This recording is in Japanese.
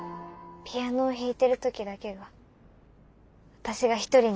ピアノを弾いてる時だけは私が１人になれる。